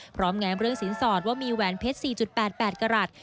แง้มเรื่องสินสอดว่ามีแหวนเพชร๔๘๘กรัฐ